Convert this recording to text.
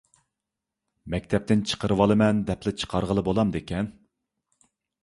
مەكتەپتىن چىقىرىۋالىمەن دەپلا چىقارغىلى بولامدىكەن؟